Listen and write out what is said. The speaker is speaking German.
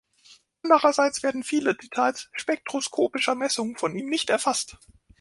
Andererseits werden viele Details spektroskopischer Messungen von ihm nicht erfasst.